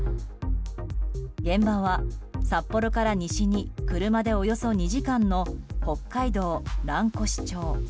現場は札幌から西に車でおよそ２時間の北海道蘭越町。